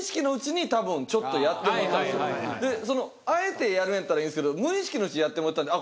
であえてやるんやったらいいんですけど無意識のうちにやってもうてたんであっ